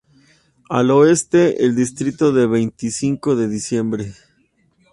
Al oeste el distrito de Veinticinco de diciembre.